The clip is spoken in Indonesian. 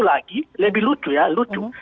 lagi lebih lucu ya lucu